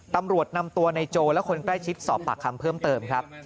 ตำรวจนำตัวในโจและคนใกล้ชิดสอบปากคำเพิ่มเติมครับ